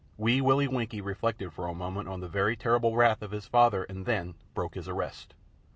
Wee Willie Winkie reflected for a moment on the very terrible wrath of his father; and then broke his arrest!